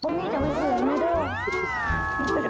พรุ่งนี้จะไม่สวยไม๊เดิล